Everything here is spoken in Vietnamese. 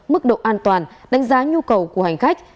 mức độ an toàn đánh giá nhu cầu của hành khách